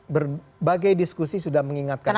berbagai diskusi sudah mengingatkan